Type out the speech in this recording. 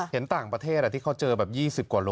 เห็นต่างประเทศที่เขาเจอแบบ๒๐กว่าโล